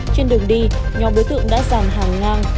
trên đường đi nhóm đối tượng đã dàn hàng ngang